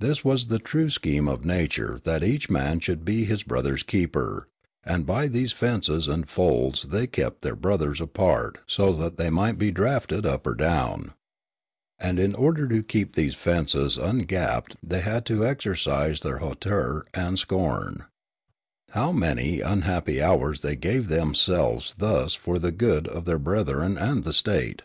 This was the true scheme of nature that each man should be his brother's keeper ; and by these fences and folds they kept their brothers apart so that they might be draughted up or down. And in order to keep these fences ungapped they had to exer cise their hauteur and scorn. How many unhappy hours they gave themselves thus for the good of their brethren and the state !